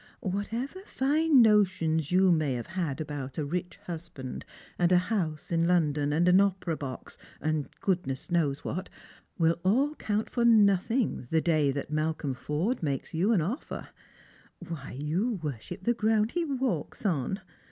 Whatever fine notions you may have had about a rich husband, and a house in London, and an opera box, and 34 Strangers and Pil/jrims. goodness knows what, will all count for nothing the day that Malcolm Forde makes you an offer. "Why, you worship the ground he walks on.